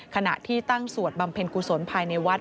ขณะที่ตั้งสวดบำเพ็ญกุศลภายในวัด